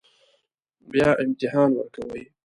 بیا امتحان ورکوئ